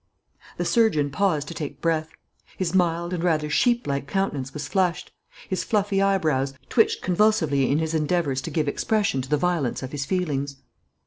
The surgeon paused to take breath. His mild and rather sheep like countenance was flushed; his fluffy eyebrows twitched convulsively in his endeavours to give expression to the violence of his feelings.